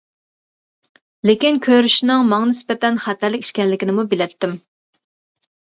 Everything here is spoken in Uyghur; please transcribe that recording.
لېكىن كۆرۈشۈشنىڭ ماڭا نىسبەتەن خەتەرلىك ئىكەنلىكىنىمۇ بىلەتتىم.